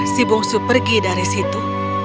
si bungsu pergi dari situ